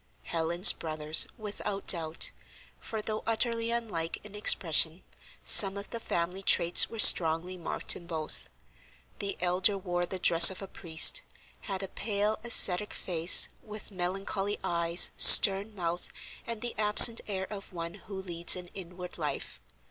Helen's brothers, without doubt; for, though utterly unlike in expression, some of the family traits were strongly marked in both. The elder wore the dress of a priest, had a pale, ascetic face, with melancholy eyes, stern mouth, and the absent air of one who leads an inward life.